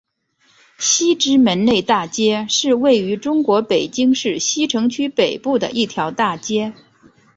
西直门内大街是位于中国北京市西城区北部的一条大街。